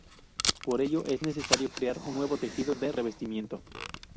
Por ello, es necesario crear un nuevo tejido de revestimiento.